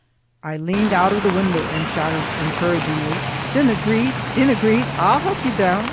I leaned out of the window and shouted encouragingly, "Dinna greet, Davie, dinna greet, I'll help ye doon.